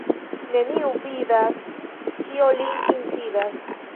Neniu vidas, kio lin insidas.